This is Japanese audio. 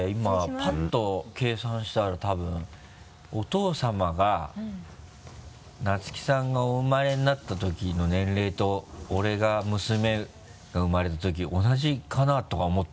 パッと計算したら多分お父さまが菜月さんがお生まれになったときの年齢と俺が娘が生まれたとき同じかなとか思って。